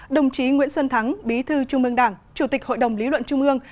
đồng chí nguyễn xuân thắng bí thư trung mương đảng chủ tịch hội đồng lý luận trung ương